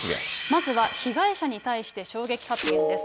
まずは被害者に対して衝撃発言です。